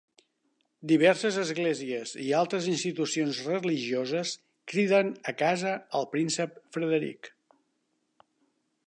Diverses esglésies i altres institucions religioses criden a casa al príncep Frederic.